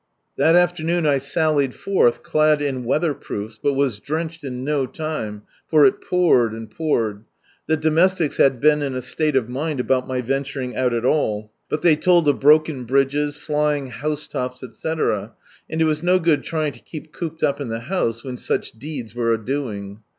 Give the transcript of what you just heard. That afternoon I sallied forth clad in weather proofs, but was drenched in no litne, for 11 poured and poured. The domestics had been in a state of mind about my venturing out at all ; but they told of broken bridges, flying housetops, etc., and it was no good trying to keep cooped up in the house when such deeds were adoing.